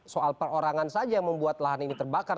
soal perorangan saja yang membuat lahan ini terbakar